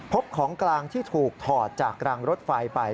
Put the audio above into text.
ของกลางที่ถูกถอดจากรางรถไฟไป